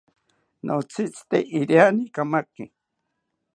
Notzitzite iriani kamaki